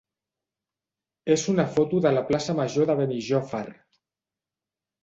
és una foto de la plaça major de Benijòfar.